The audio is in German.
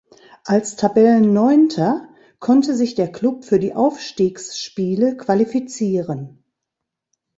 Als Tabellenneunter konnte sich der Klub für die Aufstiegsspiele qualifizieren.